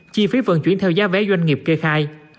chi phí vận chuyển theo giá vé doanh nghiệp kê khai